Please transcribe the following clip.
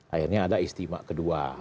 akhirnya ada istimewa kedua